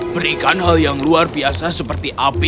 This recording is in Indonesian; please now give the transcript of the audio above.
berikan hal yang luar biasa seperti api